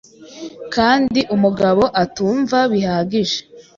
kandi umugabo atumva bihagije.